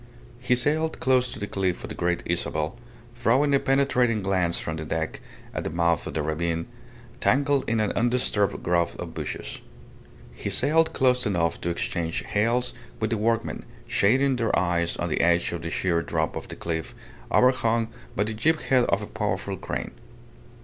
He sailed close to the cliff of the Great Isabel, throwing a penetrating glance from the deck at the mouth of the ravine, tangled in an undisturbed growth of bushes. He sailed close enough to exchange hails with the workmen, shading their eyes on the edge of the sheer drop of the cliff overhung by the jib head of a powerful crane.